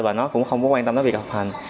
và nó cũng không có quan tâm tới việc học hành